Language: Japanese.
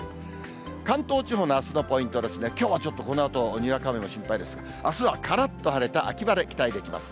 関東地方のあすのポイントですね、きょうはちょっとこのあと、にわか雨も心配ですが、あすはからっと晴れた秋晴れ、期待できます。